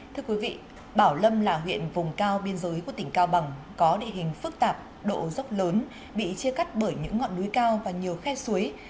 thưa quý vị bảo lâm là huyện vùng cao biên giới của tỉnh cao bằng có địa hình phức tạp độ dốc lớn bị chia cắt bởi những ngọn núi cao và nhiều khe suối